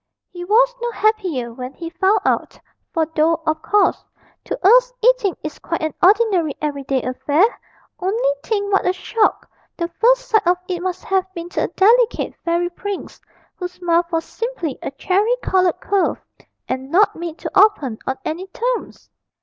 He was no happier when he found out for though, of course, to us eating is quite an ordinary everyday affair, only think what a shock the first sight of it must have been to a delicate fairy prince, whose mouth was simply a cherry coloured curve, and not made to open on any terms!